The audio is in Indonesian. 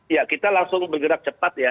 ya kita langsung bergerak cepat ya